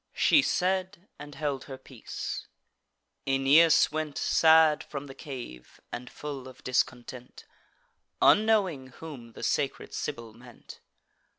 She said, and held her peace. Aeneas went Sad from the cave, and full of discontent, Unknowing whom the sacred Sibyl meant.